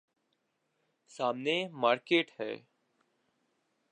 سامنے مارکیٹ ہے۔